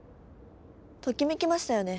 ときめきましたよね？